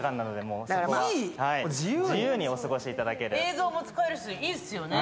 映像も使えるし、いいですよね。